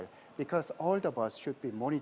karena semua bus harus diperlukan